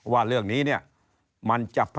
ว่าเรื่องนี้เนี่ยมันจะ